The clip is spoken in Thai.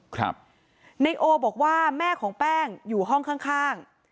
นายโอบอกว่าแม่ของแป้งอยู่ห้องข้าง